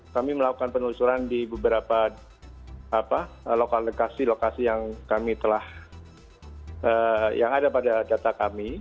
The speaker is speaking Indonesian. kami melakukan penelusuran di beberapa lokasi lokasi yang kami telah yang ada pada data kami